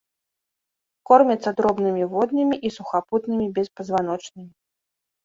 Кормяцца дробнымі воднымі і сухапутнымі беспазваночнымі.